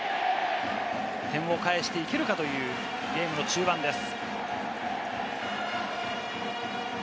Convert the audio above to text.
点をかえしていけるかというゲームの中盤です。